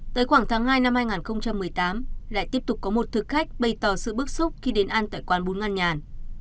tới khoảng tháng hai năm hai nghìn một mươi tám lại tiếp tục có một thực khách bày tỏ sự bức xúc khi đến ăn tại quán bún ngăn